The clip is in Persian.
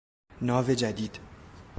ناو جدید